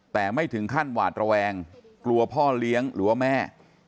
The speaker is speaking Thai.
แต่ไม่ถึงขั้นหวาดระแวงกลัวพ่อเลี้ยงหรือว่าแม่